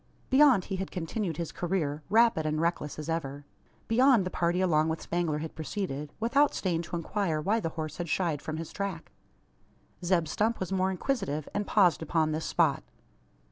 Beyond he had continued his career; rapid and reckless as ever. Beyond the party along with Spangler had proceeded without staying to inquire why the horse had shied from his track. Zeb Stump was more inquisitive, and paused upon this spot.